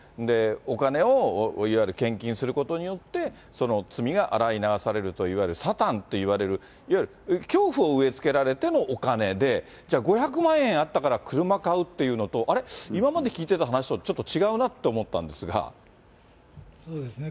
お金を、いわゆる献金することによって、その罪が洗い流されるという、いわゆるサタンっていわれる、いわゆる恐怖を植えつけられてのお金で、じゃあ、５００万円あったから車買うっていうのと、あれ、今まで聞いてた話とちょっと違うなと思ったそうですね。